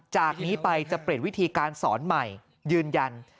จากนี้ไปจะเปลี่ยนวิธีการสอนใหม่ยืนยัน